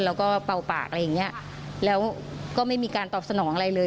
แล้วก็เป่าปากอะไรอย่างเงี้ยแล้วก็ไม่มีการตอบสนองอะไรเลย